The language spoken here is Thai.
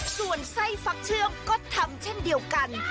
ส่วนไส้ฟักเชื่อมก็ทำเช่นเดียวกัน